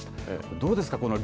どうですか。